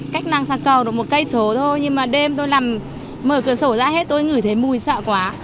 cách làng xa cầu được một km thôi nhưng mà đêm tôi mở cửa sổ ra hết tôi ngửi thấy mùi sợ quá